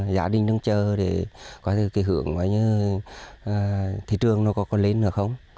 giá đình đang chờ để có thể hưởng thị trường có lên được không